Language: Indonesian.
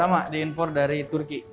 sama diimpor dari turki